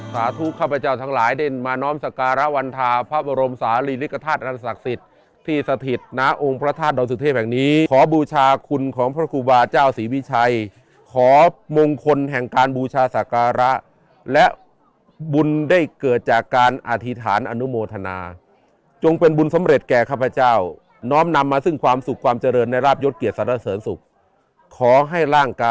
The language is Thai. สาธุข้าพเจ้าทั้งหลายเดินมาน้อมศักราวรรภาพบรมศาลีริกฐาตรรรศักดิ์สักศิษย์ที่สถิตย์นะองค์พระธาตุดสุทธิ์แห่งนี้ขอบูชาคุณของพระคุณวาจ้าวสีวิชัยขอมงคลแห่งการบูชาศักราและบุญได้เกิดจากการอธิษฐานอนุโมทนาจงเป็นบุญสำเร็จแก่ข้าพเจ้าน้อมนำมาซึ่